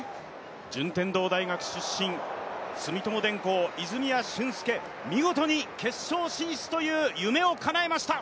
順天堂大学出身、住友電工、泉谷駿介、見事に決勝進出という夢をかなえました。